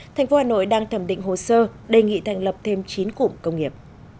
thành phố hà nội đang thẩm định hồ sơ đề nghị thành lập thêm chín cụm công nghiệp